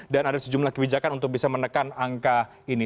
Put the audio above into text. dan ada sejumlah kebijakan untuk bisa menekan angka ini